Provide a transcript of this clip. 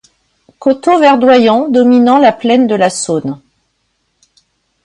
Coteaux verdoyants dominant la plaine de la Saône.